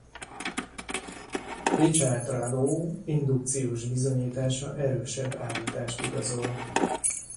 Richard Rado indukciós bizonyítása erősebb állítást igazol.